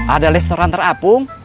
ada restoran terapung